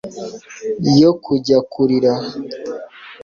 yo kujya kurira